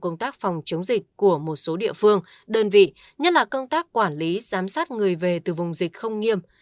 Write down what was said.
công tác phòng chống dịch của một số địa phương đơn vị nhất là công tác quản lý giám sát người về từ vùng dịch không nghiêm